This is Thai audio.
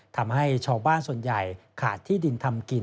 ทำให้ชาวบ้านส่วนใหญ่ขาดที่ดินทำกิน